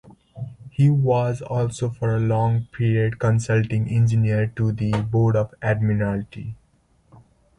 He was also for a long period consulting engineer to the Board of Admiralty.